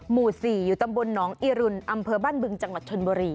หมู่๔อยู่ตำบลหนองอิรุนอำเภอบ้านบึงจังหวัดชนบุรี